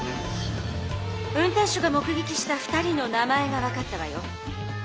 運転手が目げきした２人の名前が分かったわよ。